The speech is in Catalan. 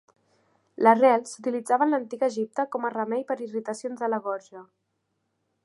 La rel s'utilitzava a l'antic Egipte com a remei per irritacions de la gorja.